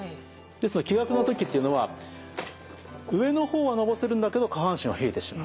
ですから気逆の時っていうのは上の方はのぼせるんだけど下半身は冷えてしまう。